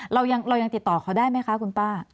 เรายังติดต่อเขาได้ไหมคะคุณป้า